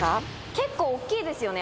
結構大っきいですよね